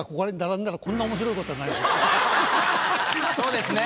そうですね。